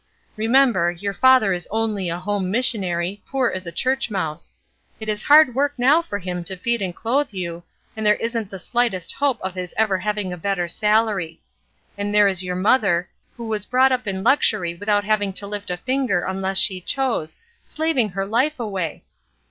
Remember, your father is only a home missionary, poor as a church mouse ; it is hard work now for him to feed and clothe you, and there isn't the slightest hope of his ever having a better salary. And there is your mother, who was brought up in luxury without having to lift her finger unless she chose, slav ing her life away!